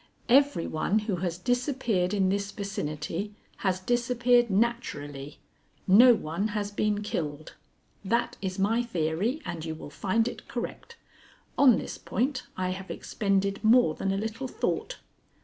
Every one who has disappeared in this vicinity has disappeared naturally. No one has been killed. That is my theory, and you will find it correct. On this point I have expended more than a little thought."